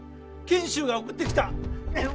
賢秀が送ってきた！